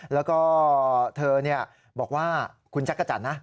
แล้วก็เธอบอกว่าคุณชักกะจัดนะ